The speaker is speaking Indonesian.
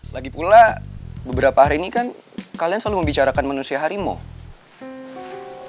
lagi pula beberapa hari ini kan kalian selalu membicarakan manusia harimau